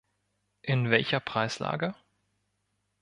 In welcher Preislage?